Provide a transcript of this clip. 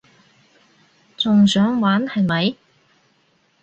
仲想玩係咪？